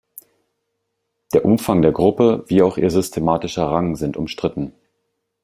Der Umfang der Gruppe, wie auch ihr systematischer Rang sind umstritten.